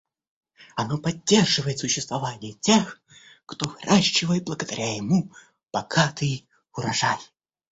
Оно поддерживает существование тех, кто выращивает благодаря ему богатый урожай.